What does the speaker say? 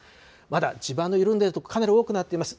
まだ地盤の緩んでいる所、かなり多くなっています。